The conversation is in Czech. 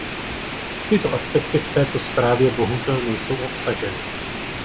Tyto aspekty v této zprávě bohužel nejsou obsaženy.